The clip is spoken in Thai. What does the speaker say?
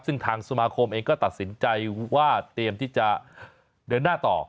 ซึ่งทางสมาคมเองก็ตัดสินใจว่าเตรียมที่จะเดินหน้าต่อ